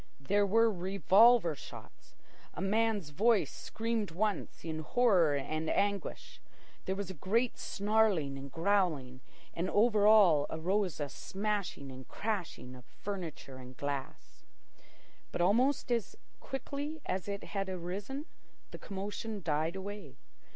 There were revolver shots. A man's voice screamed once in horror and anguish. There was a great snarling and growling, and over all arose a smashing and crashing of furniture and glass. But almost as quickly as it had arisen, the commotion died away.